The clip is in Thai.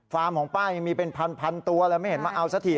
ฟาร์มของป้ายังมีเป็นพันตัวไม่เห็นมาเอาซะที